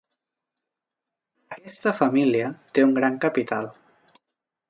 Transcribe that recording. Aquesta família té un gran capital.